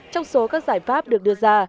trong số các giải pháp được đưa ra